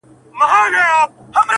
ته د رنگونو د خوبونو و سهار ته گډه؛